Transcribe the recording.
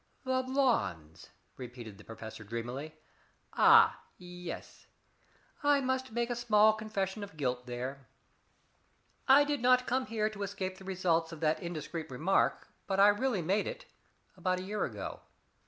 "The blondes," repeated the professor dreamily. "Ah, yes, I must make a small confession of guilt there. I did not come here to escape the results of that indiscreet remark, but I really made it about a year ago.